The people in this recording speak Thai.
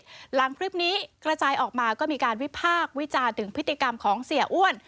หลังคลิปนี้กระจายออกมาก็มีการวิพากษ์วิจารณ์ถึงพฤติกรรมของเสียอ้วน